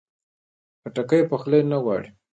خټکی پخلی نه غواړي.